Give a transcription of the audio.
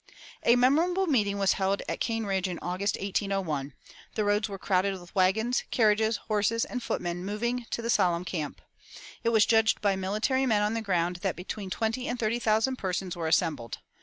"A memorable meeting was held at Cane Ridge in August, 1801. The roads were crowded with wagons, carriages, horses, and footmen moving to the solemn camp. It was judged by military men on the ground that between twenty and thirty thousand persons were assembled.